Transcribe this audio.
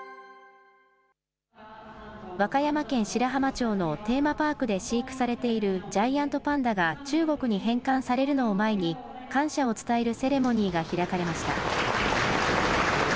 和歌山県白浜町のテーマパークで飼育されているジャイアントパンダが中国に返還されるのを前に、感謝を伝えるセレモニーが開かれました。